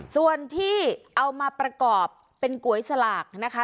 ส่วนที่เอามาประกอบเป็นก๋วยสลากนะคะ